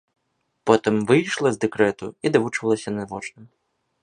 Потым выйшла з дэкрэту і давучвалася на вочным.